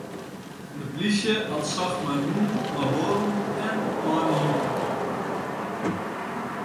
De plysje hat socht mei hûnen, mei boaten en mei in helikopter.